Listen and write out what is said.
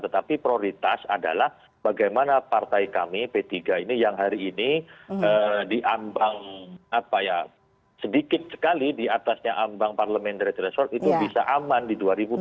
tetapi prioritas adalah bagaimana partai kami p tiga ini yang hari ini diambang sedikit sekali diatasnya ambang parliamentary threshold itu bisa aman di dua ribu dua puluh